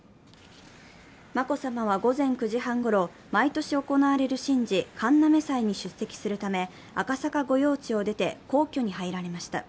眞子さまは午前９時半ごろ、毎年行われる神事、神嘗祭に出席するため赤坂御用地を出て、皇居に入られました。